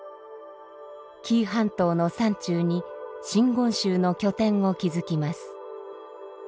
紀伊半島の山中に真言宗の拠点を築きます。